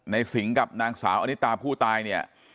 สิงกับนางสาวอนิตาผู้ตายเนี่ย